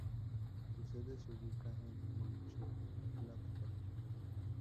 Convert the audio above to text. Su sede se ubica en Mönchengladbach.